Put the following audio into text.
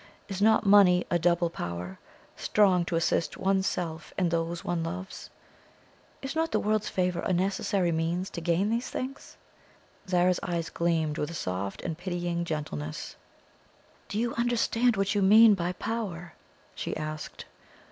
Is not money a double power, strong to assist one's self and those one loves? Is not the world's favour a necessary means to gain these things?" Zara's eyes gleamed with a soft and pitying gentleness. "Do you understand what you mean by power?" she asked.